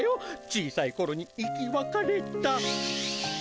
小さいころに生きわかれた。